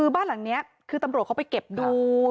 บ้านหลังนี้คือตำรวจเขาไปเก็บดู